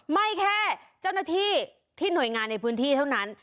ไม่แค่เจ้าหน้าที่ที่หน่วยงานในพื้นที่เท่านั้น